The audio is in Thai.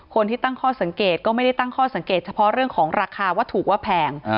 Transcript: คนที่ตั้งข้อสังเกตก็ไม่ได้ตั้งข้อสังเกตเฉพาะเรื่องของราคาว่าถูกว่าแพง